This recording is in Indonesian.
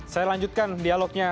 saya lanjutkan dialognya